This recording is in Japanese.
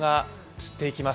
散っていきます